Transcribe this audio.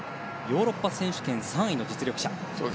ヨーロッパ選手権３位の実力者。